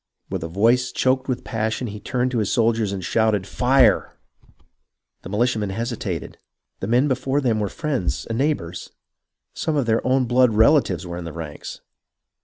With a voice choked with passion he turned to his soldiers and shouted, " Fire !" The militiamen hesitated. The men before them were friends and neighbours. Some of their own blood relatives were in the ranks.